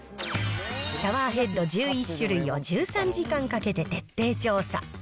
シャワーヘッド１１種類を１３時間かけて徹底調査。